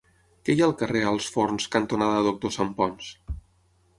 Què hi ha al carrer Alts Forns cantonada Doctor Santponç?